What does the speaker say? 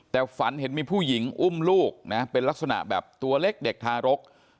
แต่ฝันเห็นมีผู้หญิงอุ้มลูกนะเป็นลักษณะแบบตัวเล็กเด็กทารก